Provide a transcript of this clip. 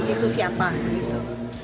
itu siapa begitu